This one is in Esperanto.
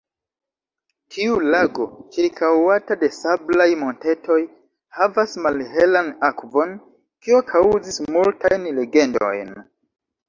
Tiu lago, ĉirkaŭata de sablaj montetoj, havas malhelan akvon, kio kaŭzis multajn legendojn.